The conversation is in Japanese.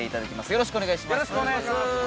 よろしくお願いします。